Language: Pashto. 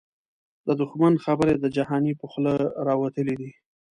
د دښمن خبري د جهانی په خوله راوتلی دې